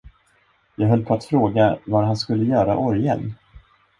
Jag höll på att fråga, var han skulle göra orgeln.